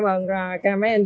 em thì rất là cảm ơn